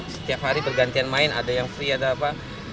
setiap hari bergantian main ada yang free ada apa